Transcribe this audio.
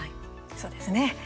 そうですね。